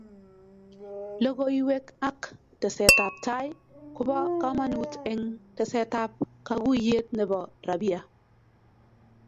Logoiywek ak tesetab tai ko bo kamanut eng tesetab kaguyet nebo rabia